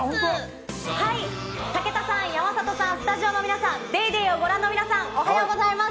はい、武田さん、山里さん、スタジオの皆さん、『ＤａｙＤａｙ．』をご覧の皆さん、おはようございます。